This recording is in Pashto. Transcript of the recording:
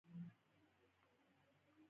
لوبغاړي باید له قاعدو سرغړونه و نه کړي.